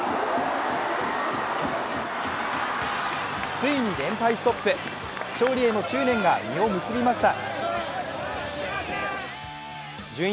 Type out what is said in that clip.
ついに連敗ストップ、勝利への執念が実を結びました。